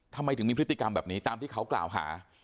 ทำไมถึงมีพฤติกรรมแบบนี้ตามที่เขากล่าวหา